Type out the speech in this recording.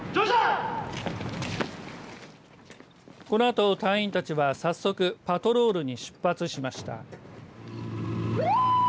このあと隊員たちは早速パトロールに出発しました。